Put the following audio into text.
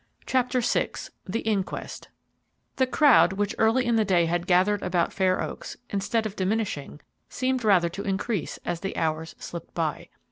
CHAPTER VI THE INQUEST The crowd, which early in the day had gathered about Fair Oaks, instead of diminishing, seemed rather to increase as the hours slipped away.